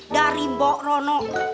dari mbok rono